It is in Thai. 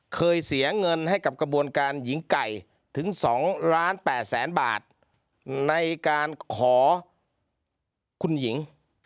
เคยเสียเงินให้กับกระบวนการหญิงไก่ถึง๒ล้าน๘แสนบาทในการขอคุณหญิง